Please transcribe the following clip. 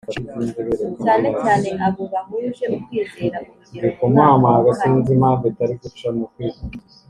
cyane cyane abo bahuje ukwizera Urugero mu mwaka wa kane